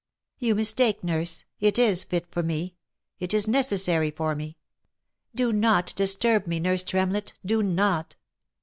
" You mistake, nurse. It is fit for me. It is necessary for me. Do not disturb me, nurse Tremlett ! do not